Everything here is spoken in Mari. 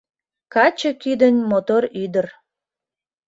Каче кӱдынь мотор ӱдыр